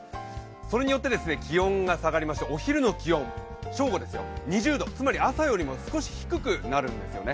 それによって気温が下がりましてお昼の気温、正午ですよ、２０度、つまり朝よりも少し低くなるんですよね。